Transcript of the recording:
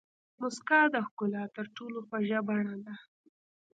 موسکا د ښکلا تر ټولو خوږه بڼه ده.